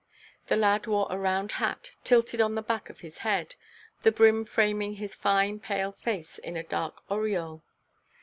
The lad wore a round hat, tilted on the back of his head, the brim framing his fine pale face in a dark aureole.